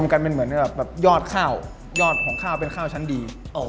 กับข้าวยอดของข้าวเป็นข้าวชั้นดี